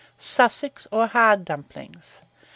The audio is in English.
SUSSEX, or HARD DUMPLINGS.